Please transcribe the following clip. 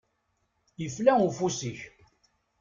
Ifla ufus-ik.